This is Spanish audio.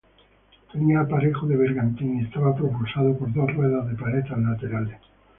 Tenía aparejo de bergantín y estaba propulsado por dos ruedas de paletas laterales.